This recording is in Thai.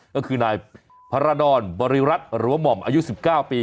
ก็คือนายพารดรบริรัติหรือว่าหม่อมอายุ๑๙ปี